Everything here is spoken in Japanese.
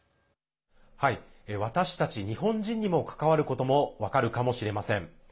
私たち日本人にも関わることも分かるかもしれません。